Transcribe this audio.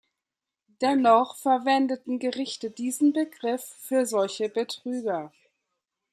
Dennoch verwendeten Gerichte diesen Begriff für solche Betrüger.